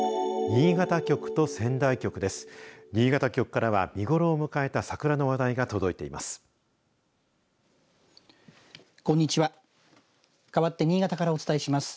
新潟局からは見頃を迎えた桜の話題が届いています。